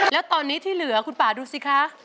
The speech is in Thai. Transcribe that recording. แล้วตอนนี้ที่เหลือคุณป่าดูสิคะ